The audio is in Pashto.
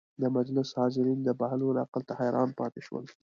د مجلس حاضرین د بهلول عقل ته حیران پاتې شول.